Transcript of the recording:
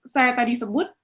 saya tadi sebut